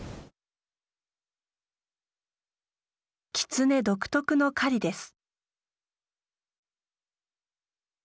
キツネ独特の狩りです。